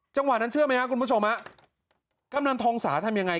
จังหวะนั้นเชื่อไหมครับคุณผู้ชมฮะกำนันทองสาทำยังไง